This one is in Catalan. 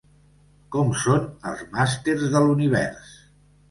Com són els màsters de l'univers!